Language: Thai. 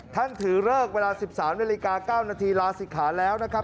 ถือเลิกเวลา๑๓นาฬิกา๙นาทีลาศิกขาแล้วนะครับ